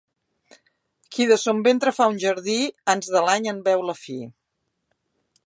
Qui de son ventre fa un jardí, ans de l'any en veu la fi.